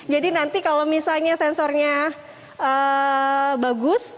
jadi nanti kalau misalnya sensornya bagus